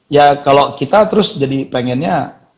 ya kalau kita terus jadi pengennya